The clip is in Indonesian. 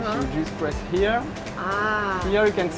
titik biru yang bergerak di kudang